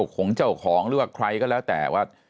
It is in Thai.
ของเจ้าของหรือว่าใครก็แล้วแต่ว่า